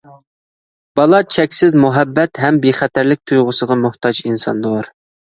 بالا چەكسىز مۇھەببەت ھەم بىخەتەرلىك تۇيغۇسىغا موھتاج ئىنساندۇر.